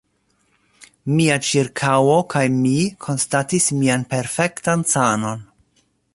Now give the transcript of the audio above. Mia ĉirkaŭo kaj mi konstatis mian perfektan sanon.